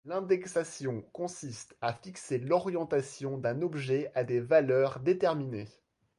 L'indexation consiste à fixer l'orientation d'un objet à des valeurs déterminées.